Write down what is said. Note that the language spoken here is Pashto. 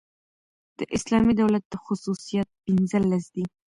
د اسلامي دولت خصوصیات پنځلس دي.